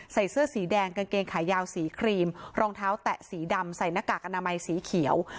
ใส่เสื้อสีแดงกางเกงขายาวสีครีมรองเท้าแตะสีดำใส่หน้ากากอนามัยสีเขียว